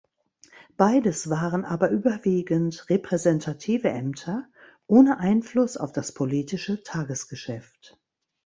Beides waren aber überwiegend repräsentative Ämter ohne Einfluss auf das politische Tagesgeschäft.